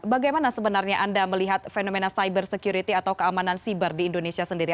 bagaimana sebenarnya anda melihat fenomena cyber security atau keamanan cyber di indonesia sendiri